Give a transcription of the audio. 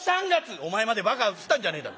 「お前までバカがうつったんじゃねえだろうな。